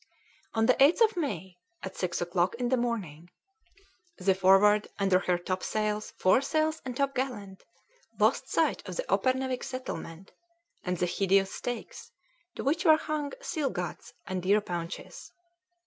On the 8th of May, at six o'clock in the morning, the Forward under her topsails, foresails, and topgallant, lost sight of the Uppernawik settlement, and the hideous stakes to which were hung seal guts and deer paunches.